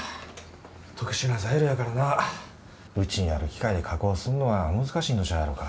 特殊な材料やからなうちにある機械で加工すんのは難しいんとちゃうやろか。